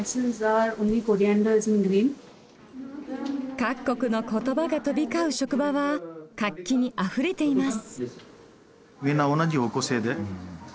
各国の言葉が飛び交う職場は活気にあふれています。